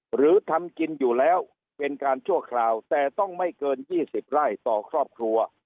หรือทำกินอยู่แล้วเป็นการชั่วคราวแต่ต้องไม่เกิน๒๐ไร่ต่อครอบครัว